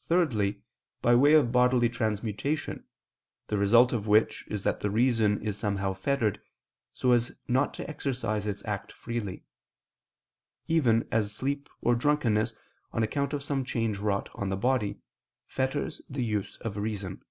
Thirdly, by way of bodily transmutation, the result of which is that the reason is somehow fettered so as not to exercise its act freely; even as sleep or drunkenness, on account of some change wrought on the body, fetters the use of reason.